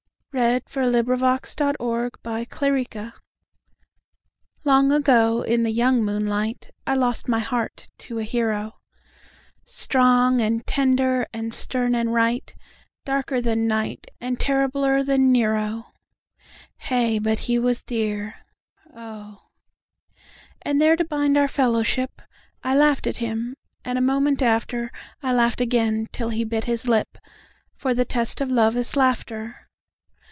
1917. Song from "Mater" By Percy Mackaye LONG ago, in the young moonlight,I lost my heart to a hero; Strong and tender and stern and right, Darker than night, And terribler than Nero.Heigh, but he was dear, O!And there, to bind our fellowship,I laughed at him; and a moment after,I laughed again till he bit his lip, For the test of love is laughter.